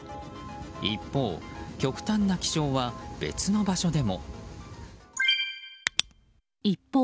一方、極端な気象は別の場所でも。